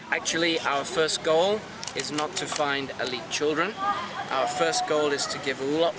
sebenarnya tujuan pertama kita bukan untuk menemukan anak anak elit